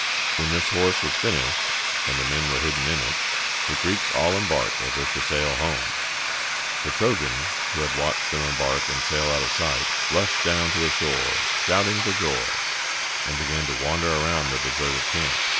When this horse was finished, and the men were hidden in it, the Greeks all embarked as if to sail home. The Trojans, who had watched them embark and sail out of sight, rushed down to the shore shouting for joy, and began to wander around the deserted camp.